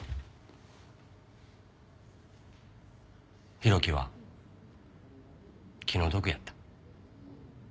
浩喜は気の毒やった。